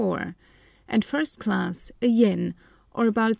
and 1st class, a yen, or about 3s.